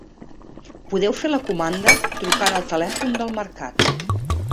Podeu fer la comanda trucant al telèfon del mercat.